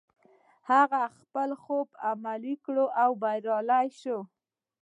هغه خپل خوب عملي کړ او بريالی شو.